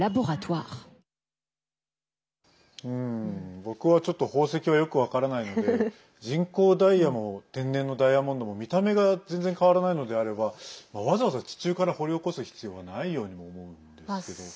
僕は、ちょっと宝石はよく分からないので人工ダイヤも天然のダイヤモンドも見た目が全然変わらないのであれば、わざわざ地中から掘り起こす必要はないようにも思うんですけど。